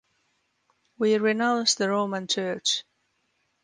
We renounce the Roman Church.